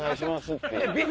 って。